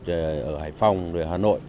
ở hải phòng hà nội